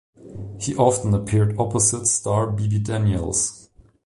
He often appeared opposite star Bebe Daniels.